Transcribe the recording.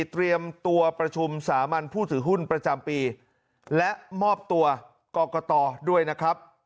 เตรียมตัวประชุมสามัญผู้ถือหุ้นประจำปีและมอบตัวกรกตด้วยนะครับ